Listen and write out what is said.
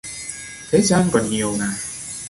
thời gian còn nhiều mà